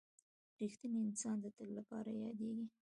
• رښتینی انسان د تل لپاره یادېږي.